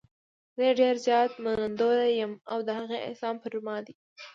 زه یې ډېر زیات منندوی یم او د هغې احسان پر ما دی.